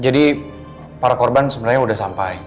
jadi para korban sebenarnya udah sampai